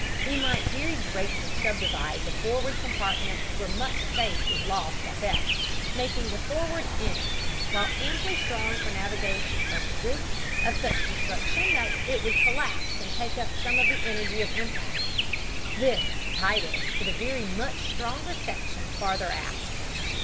"We might very greatly subdivide the forward compartments, where much space is lost at best, making the forward end, while amply strong for navigation purposes, of such construction that it would collapse and take up some of the energy of impact; then tie this to very much stronger sections farther aft.